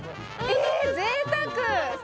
え、ぜいたく。